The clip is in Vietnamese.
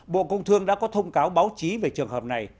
bộ công thương đã có thông cáo báo chí về trường hợp này